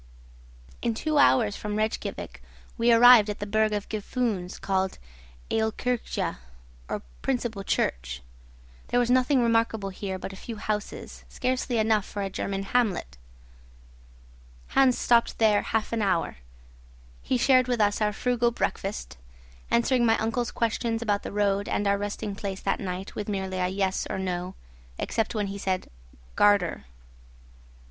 In two hours from Rejkiavik we arrived at the burgh of Gufunes, called Aolkirkja, or principal church. There was nothing remarkable here but a few houses, scarcely enough for a German hamlet. Hans stopped here half an hour. He shared with us our frugal breakfast; answering my uncle's questions about the road and our resting place that night with merely yes or no, except when he said "Gardär."